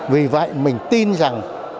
vì vậy mình tin rằng